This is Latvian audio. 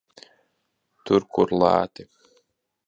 Tur, kur lēti.